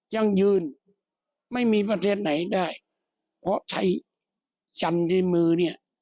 ยังยืนไม่มีประเทศไหนได้เพราะใช้จันทร์ที่มือเนี่ย